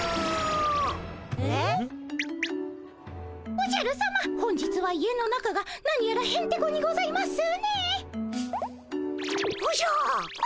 おじゃるさま本日は家の中がなにやらへんてこにございますね。